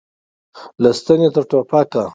له ستنې تر ټوپکه.